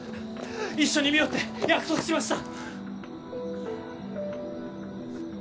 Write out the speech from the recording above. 一緒に見ようって約束しました。